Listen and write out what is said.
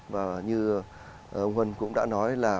và như ông huân cũng đã nói là